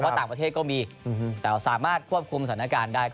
เพราะต่างประเทศก็มีแต่สามารถควบคุมสถานการณ์ได้